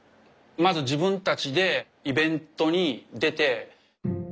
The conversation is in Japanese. まず自分たちでイベントに出て。